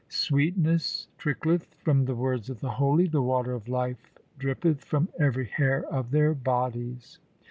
Sweetness trickleth from the words of the holy ; The water of life drippeth from every hair of their bodies.